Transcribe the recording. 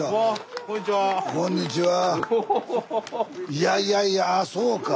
いやいやいやああそうか。